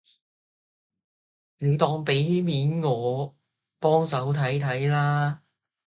你當俾面我，幫手睇睇啦